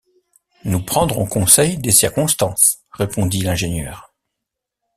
Nous prendrons conseil des circonstances, répondit l’ingénieur